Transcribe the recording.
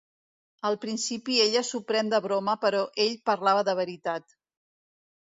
Al principi ella s'ho pren de broma però ell parlava de veritat.